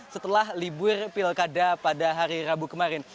setelah libur pilkada pada hari rabu kemarin